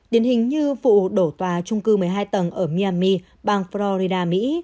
điển hình như vụ đổ tòa trung cư một mươi hai tầng ở myami bang florida mỹ